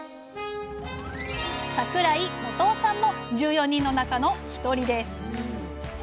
桜井元雄さんも１４人の中の１人です。